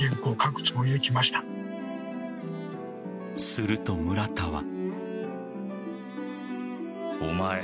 すると、村田は。